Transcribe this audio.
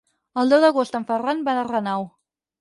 El deu d'agost en Ferran va a Renau.